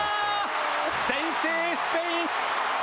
先制、スペイン！